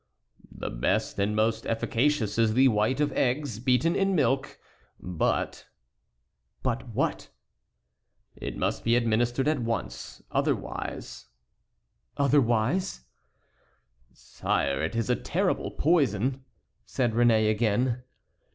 "The best and most efficacious is the white of eggs beaten in milk; but"— "But what?" "It must be administered at once; otherwise"— "Otherwise?" "Sire, it is a terrible poison," said Réné, again.